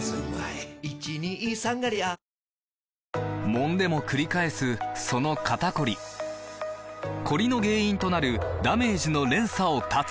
もんでもくり返すその肩こりコリの原因となるダメージの連鎖を断つ！